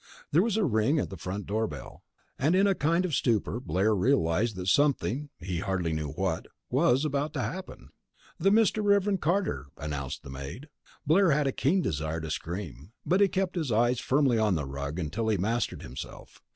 There was a ring at the front door bell, and in a kind of stupor Blair realized that something he hardly knew what was about to happen. "The Reverend Mr. Carter," announced the maid. Blair had a keen desire to scream, but he kept his eyes firmly on the rug until he had mastered himself.